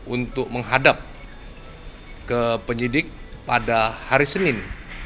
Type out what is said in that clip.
untuk menghadap ke penyidik pada hari senin